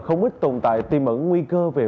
không ít tồn tại tiêm ẩn nguy cơ về